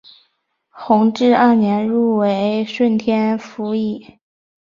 弘治二年入为顺天府尹。